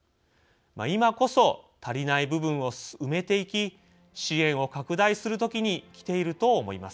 今こそ足りない部分を埋めていき支援を拡大する時にきていると思います。